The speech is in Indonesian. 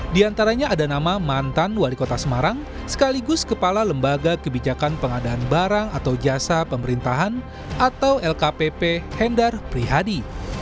di antaranya ada nama mantan wali kota semarang sekaligus kepala lembaga kebijakan pengadaan barang atau jasa pemerintahan atau lkpp hendar prihadi